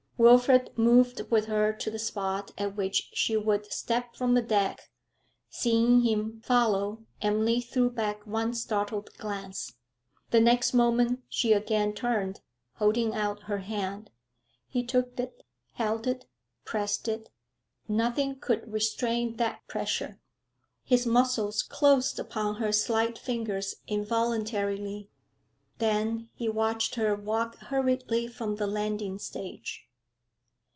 Wilfrid moved with her to the spot at which she would step from the deck; seeing him follow, Emily threw back one startled glance. The next moment she again turned, holding out her hand. He took it, held it, pressed it; nothing could restrain that pressure; his muscles closed upon her slight fingers involuntarily. Then he watched her walk hurriedly from the landing stage....